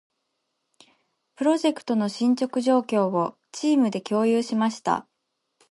プロジェクトの進捗状況を、チームで共有しました。